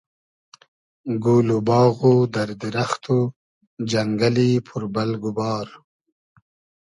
گول و باغ و دئر دیرئخت و جئنگئلی پور بئلگ و بار